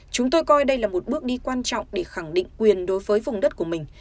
chúng tôi coi đây là một bước đi quan trọng để khẳng định quyền đối với vùng đất của mình